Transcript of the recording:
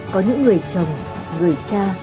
có những người chồng người cha